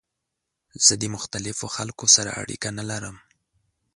زه د مختلفو خلکو سره اړیکه نه لرم.